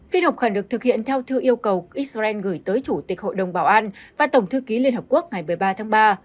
phiên họp khẩn được thực hiện theo thư yêu cầu israel gửi tới chủ tịch hội đồng bảo an và tổng thư ký liên hợp quốc ngày một mươi ba tháng ba